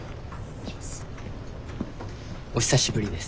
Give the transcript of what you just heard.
お久しぶりです。